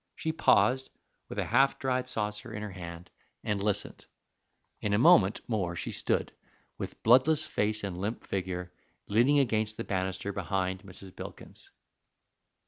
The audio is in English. She paused with a half dried saucer in her hand, and listened. In a moment more she stood, with bloodless face and limp figure, leaning against the banister behind Mrs. Bilkins.